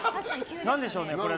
何でしょうね。